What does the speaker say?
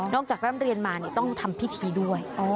นอกจากเริ่มเรียนมาเนี่ยต้องทำพิธีด้วย